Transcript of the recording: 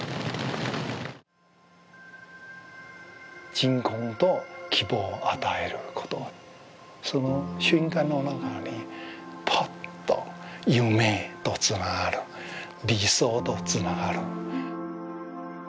鎮魂と希望を与えること、その瞬間の中にパッと夢とつながる、理想とつながる。